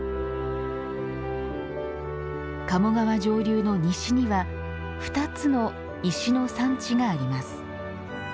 賀茂川上流の西には２つの石の産地があります。